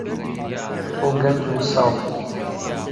تۆ گەنج و سەڵتی.